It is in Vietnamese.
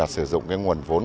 sử dụng nguồn vốn